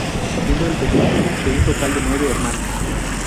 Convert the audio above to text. Siendo el penúltimo de un total de nueve hermanos.